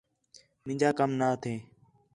مینجا کَم نہ تھے